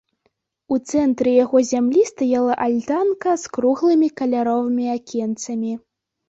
У цэнтры яго зямлі стаяла альтанка з круглымі каляровымі акенцамі.